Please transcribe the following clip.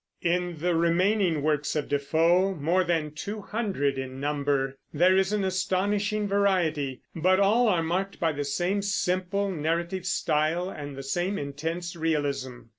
In the remaining works of Defoe, more than two hundred in number, there is an astonishing variety; but all are marked by the same simple, narrative style, and the same intense realism.